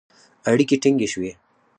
اړیکې ټینګې شوې